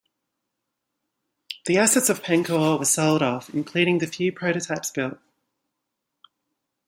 The assets of Pancor were sold off, including the few prototypes built.